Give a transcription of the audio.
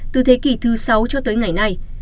từ thế kỷ thứ sáu cho tới ngày nay